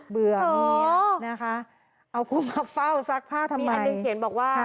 เบื่อมีเอาคุณมาเฝ้าซักผ้าทำไมค่ะมีอันหนึ่งเขียนบอกว่า